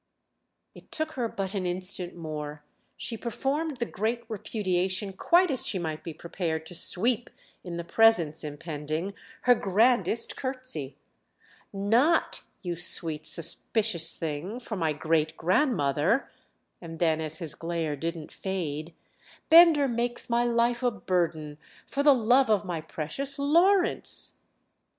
It took her but an instant more—she performed the great repudiation quite as she might be prepared to sweep, in the Presence impending, her grandest curtsey. "Not, you sweet suspicious thing, for my great grandmother!" And then as his glare didn't fade: "Bender makes my life a burden—for the love of my precious Lawrence."